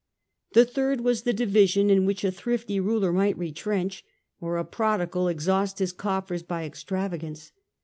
The third was the division in which a thrifty ruler might retrench, or a prodigal exhaust his coffers by ex travagance.